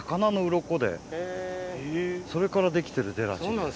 それからできてるゼラチン。